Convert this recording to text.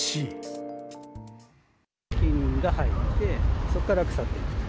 菌が入って、そこから腐っていくと。